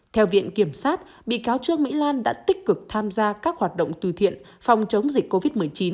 theo viện kiểm sát bị cáo trương mỹ lan đã tích cực tham gia các hoạt động từ thiện phòng chống dịch covid một mươi chín